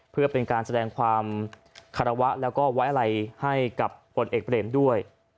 เพื่อเป็นการแสดงความคารวะแล้วก็ไว้อะไรให้กับผลเอกเบรมด้วย